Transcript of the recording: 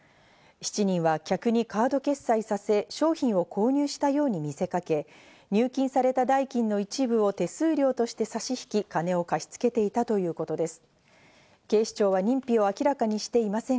７人は客にカード決済させ、商品を購入したように見せかけ、入金された代金の一部を手数料として差し引き、金を貸し付けていたということです。